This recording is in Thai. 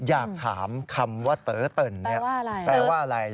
อยากถามคำว่าเต๋อเติ่นแปลว่าอะไร